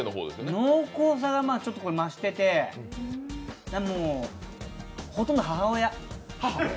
濃厚さがちょっと増してて、ほとんど母親。